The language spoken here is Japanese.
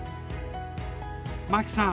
マキさん